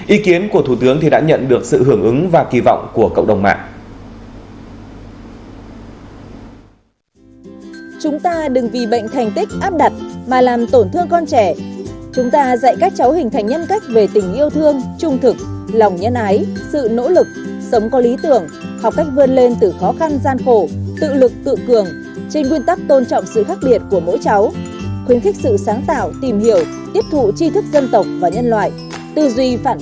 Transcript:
ý kiến của thủ tướng đã nhận được sự hưởng ứng và kỳ vọng của cộng đồng mạng